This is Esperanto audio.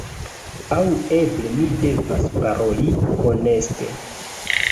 Aŭ eble mi devas paroli honeste: